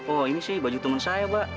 oh ini sih baju teman saya mbak